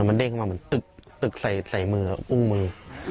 มันจะเด้งเข้ามาตึ๊กตึ๊กใส่มือกับอุ้งมือ